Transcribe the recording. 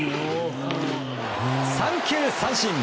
三球三振！